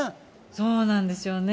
そうなんですよね。